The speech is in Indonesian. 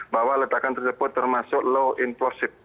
bahwa ledakan tersebut termasuk low implopsive